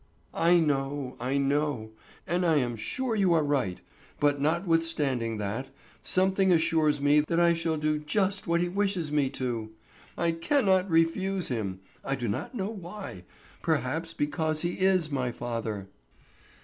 "I know, I know, and I am sure you are right, but notwithstanding that, something assures me that I shall do just what he wishes me to. I cannot refuse him—I do not know why, perhaps because he is my father."